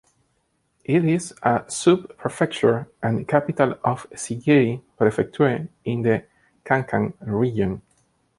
It is a sub-prefecture and capital of Siguiri Prefecture in the Kankan Region.